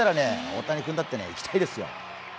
大谷君だって、いきたいですよ。